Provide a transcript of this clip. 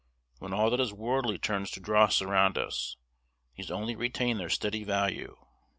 When all that is worldly turns to dross around us, these only retain their steady value.